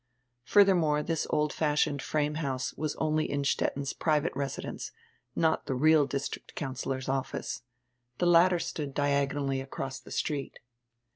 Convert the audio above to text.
Further more diis old fashioned frame house was only Innstetten's private residence, not die real district councillor's office. The latter stood diagonally across die street.